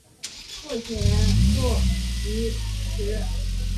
父亲厍狄峙。